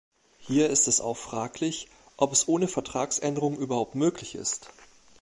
Hier ist es auch fraglich, ob es ohne Vertragsänderung überhaupt möglich ist.